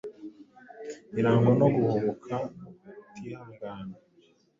irangwa no guhubuka no kutihangana.